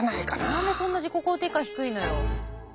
何でそんな自己肯定感低いのよ。